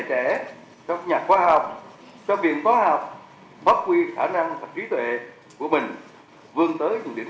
trẻ cho nhà khoa học cho viện khoa học phát huy khả năng và trí tuệ của mình vươn tới những điểm